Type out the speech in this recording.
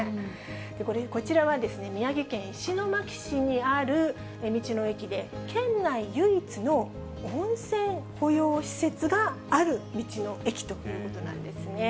こちらは、宮城県石巻市にある道の駅で、県内唯一の温泉保養施設がある道の駅ということなんですね。